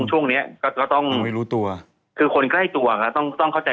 ช่วงนี้ก็ต้องคือคนใกล้ตัวก็ต้องเข้าใจ